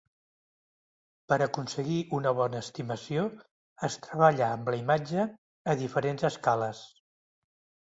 Per aconseguir una bona estimació es treballa amb la imatge a diferents escales.